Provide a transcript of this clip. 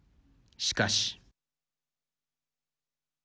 しかし。